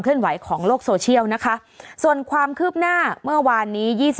ไหวของโลกโซเชียลนะคะส่วนความคืบหน้าเมื่อวานนี้